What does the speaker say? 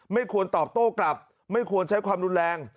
ไม่ควรตอบโต้กลับไม่ควรใช้ความรุนแรง